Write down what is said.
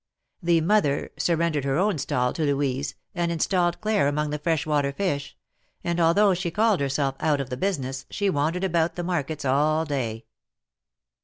The mother surrendered her own stall to Louise, and installed Claire among the fresh water fish, and, although she called herself out of the business, she w'andered about the markets all day.